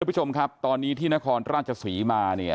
คุณผู้ชมครับตอนนี้ที่นครราชสวีมา